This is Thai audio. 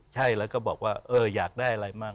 ใช่แล้วก็บอกว่าอยากได้อะไรมาก